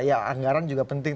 ya anggaran juga penting